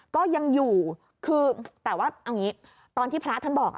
ก็ยังอยู่คือแต่ว่าเอางี้ตอนที่พระท่านบอก